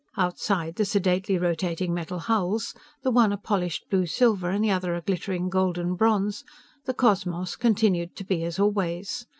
Outside the sedately rotating metal hulls the one a polished blue silver and the other a glittering golden bronze the cosmos continued to be as always.